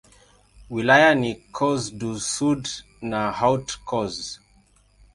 Wilaya ni Corse-du-Sud na Haute-Corse.